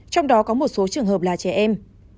trong đó có một số trường hợp là trẻ em